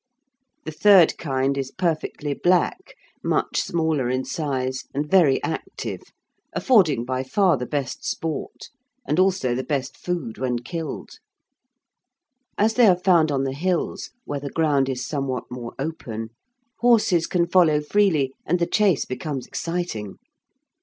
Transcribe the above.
The third kind is perfectly black, much smaller in size, and very active, affording by far the best sport, and also the best food when killed. As they are found on the hills where the ground is somewhat more open, horses can follow freely, and the chase becomes exciting.